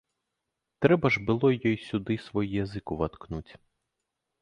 Трэба ж было й ёй сюды свой язык уваткнуць.